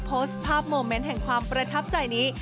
โพสต์ภาพโมเมนต์แห่งความประทับใจนี้